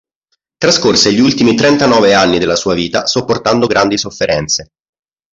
Trascorse gli ultimi trentanove anni della sua vita sopportando grandi sofferenze.